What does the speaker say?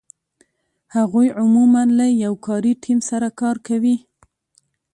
هغوی عمومآ له یو کاري ټیم سره کار کوي.